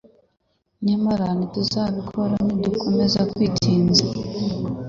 nyamara ntituzabikora nidukomeza kwi tinza